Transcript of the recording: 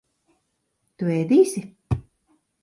Tu ēdīsi?